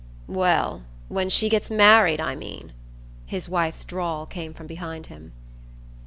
"Well, when she gets married, I mean," his wife's drawl came from behind him.